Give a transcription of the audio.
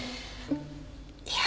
いや。